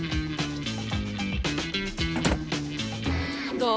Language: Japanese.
どう？